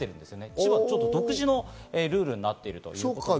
千葉独自のルールになっています。